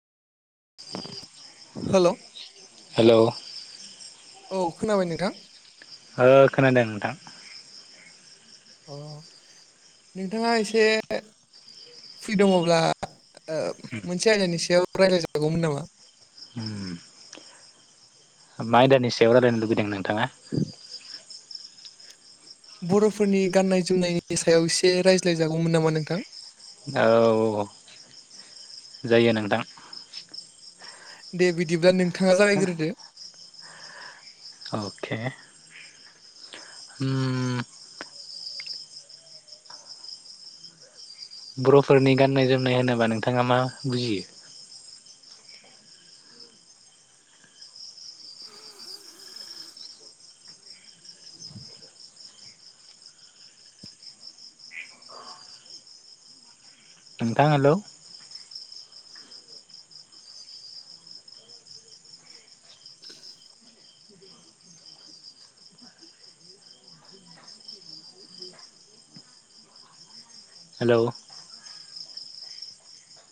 हाल' हेल' औ खोनाबाय नोंथां? ओ खोनादों नोंथां। अ नोंथाङा एसे फ्रि दङब्ला। मोनसे आयदानि सायाव रायज्लायजागौमोन नामा? उम मा आयदानि सायाव रायलायनो लुुबैदों नोंथाङा? बर'फोरनि गाननाय जोमनायनि सायाव एसे रायज्लाय जागौमोन नामा नोंथां? औऔ जायो नोंथां। दे बिदिब्ला नोंथाङा जागायग्रोदो। अके [inaudible] [inaudible] बर'फोरनि गाननाय जोमनाय होनोब्ला नोंथाङा मा बुजियो? नोंथां हेल' हेल'